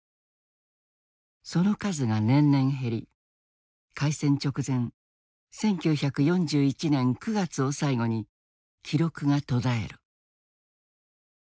その数が年々減り開戦直前１９４１年９月を最後に記録が途絶える。